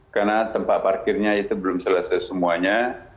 karena tempat parkirnya itu belum selesai semuanya